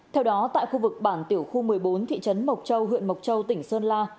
theo đó tại khu vực bản tiểu khu một mươi bốn thị trấn mộc châu huyện mộc châu tỉnh sơn la